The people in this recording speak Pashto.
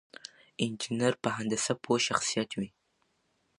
انجينر په هندسه پوه شخصيت وي.